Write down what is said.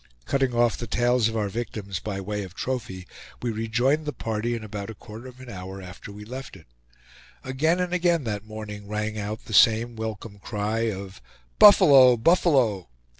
Cutting off the tails of our victims by way of trophy, we rejoined the party in about a quarter of an hour after we left it. Again and again that morning rang out the same welcome cry of "Buffalo, buffalo!"